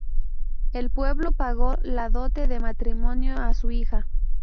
El pueblo pagó la dote de matrimonio a su hija.